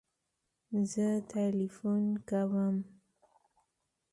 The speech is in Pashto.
زه تلیفون کوم